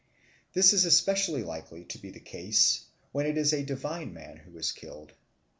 This is especially likely to be the case when it is a divine man who is killed.